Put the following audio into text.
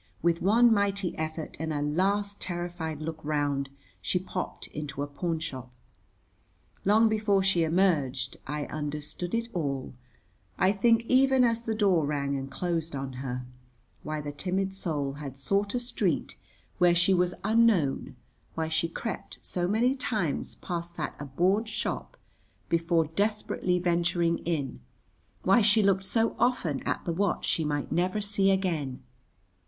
With one mighty effort and a last terrified look round, she popped into a pawnshop. Long before she emerged I understood it all, I think even as the door rang and closed on her; why the timid soul had sought a street where she was unknown, why she crept so many times past that abhorred shop before desperately venturing in, why she looked so often at the watch she might never see again.